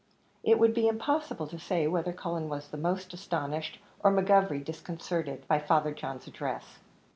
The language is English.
It would be impossible to say whether Cullen was most astonished, or McGovery disconcerted, by Father John's address.